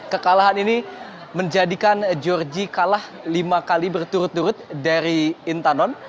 kekalahan ini menjadikan georgie kalah lima kali berturut turut dari intanon